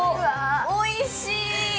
おいしい！